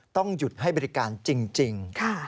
ต้องหยุดให้บริการจริง